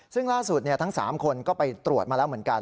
ซึ่งล่าสุดทั้ง๓คนก็ไปตรวจมาแล้วเหมือนกัน